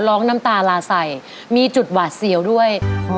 น้ำตาลาใส่มีจุดหวาดเสียวด้วย